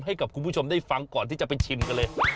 ให้กับคุณผู้ชมได้ฟังก่อนที่จะไปชิมกันเลย